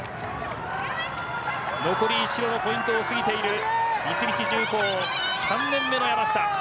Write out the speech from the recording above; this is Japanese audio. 残り１キロのポイントを過ぎている三菱重工３年目の山下。